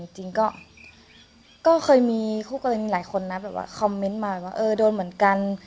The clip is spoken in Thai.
จริงก็เคยมีหลายคนนะคอมเมนต์มาว่าโดนเหมือนกัน